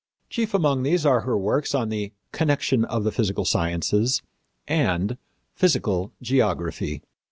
Chief among these are her works on the Connection of the Physical Sciences and Physical Geography.